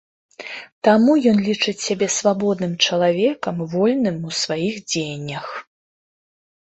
Таму ён лічыць сябе свабодным чалавекам вольным у сваіх дзеяннях.